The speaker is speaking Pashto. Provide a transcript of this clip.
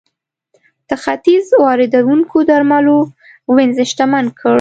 له ختیځه واردېدونکو درملو وینز شتمن کړ.